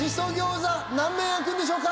何面あくんでしょうか？